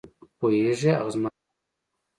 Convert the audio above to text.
پوهېږې؟ هغه زما تره دی.